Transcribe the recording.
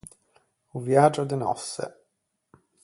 O viægio de nòsse.